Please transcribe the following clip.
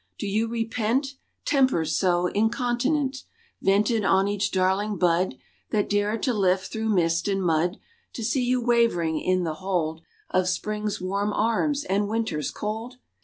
Do you repent Tempers so incontinent Vented on each darling bud That dared to lift through mist and mud To see you wavering in the hold — Of spring's warm arms and winter's cold?